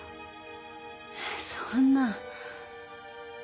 そんな。